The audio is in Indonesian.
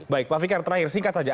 baik pak fikar terakhir singkat saja